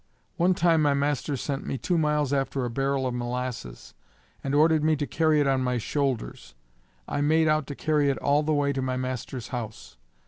One time my master sent me two miles after a barrel of molasses, and ordered me to carry it on my shoulders. I made out to carry it all the way to my master's house.